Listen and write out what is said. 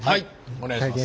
お願いします！